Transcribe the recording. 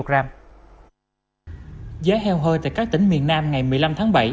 giá heo hơi tại các tỉnh miền nam ngày một mươi năm tháng bảy